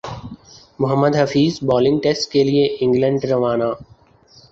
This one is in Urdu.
محمد حفیظ بالنگ ٹیسٹ کیلئے انگلینڈ روانہ